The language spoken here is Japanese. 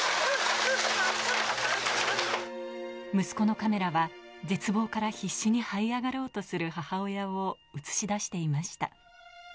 息子のカメラは絶望から必死に這い上がろうとする母親を映し出していました。